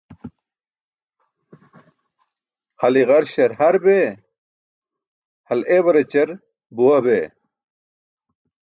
Hal i̇garśar har bee, hal ewarćar buwa bee.